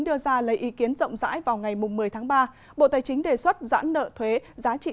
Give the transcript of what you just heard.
đưa ra lấy ý kiến rộng rãi vào ngày một mươi tháng ba bộ tài chính đề xuất giãn nợ thuế giá trị